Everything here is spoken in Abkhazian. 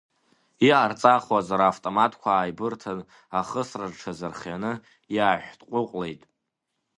Иҟарҵахуаз, равтоматқәа ааибырҭан, ахысра рҽазырхианы иааиҳәҭҟәыҟәлеит.